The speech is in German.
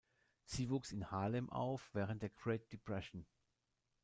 Sie wuchs in Harlem auf während der Great Depression.